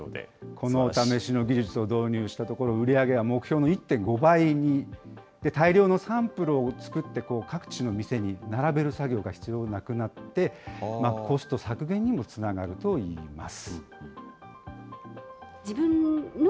このお試しの技術を導入したところ、売り上げは目標の１．５倍に、大量のサンプルを作って、各地の店に並べる作業が必要なくなって、コスト削減にもつながるといいます。